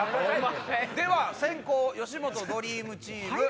では先攻吉本ドリームチーム。